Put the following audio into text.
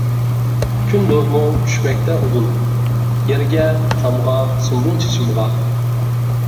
كۈن نۇرىمۇ چۈشمەكتە ئۇدۇل، يەرگە، تامغا، سۇمبۇل چېچىمغا.